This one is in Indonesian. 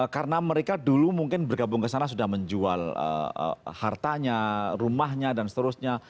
karena mereka dulu mungkin bergabung kesana sudah menjual hartanya rumahnya